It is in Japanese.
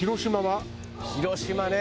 広島ね。